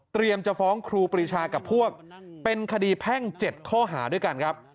จะฟ้องครูปรีชากับพวกเป็นคดีแพ่ง๗ข้อหาด้วยกันครับ